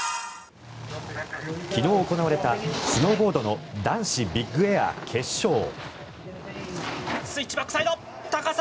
昨日行われたスノーボードの男子ビッグエア決勝。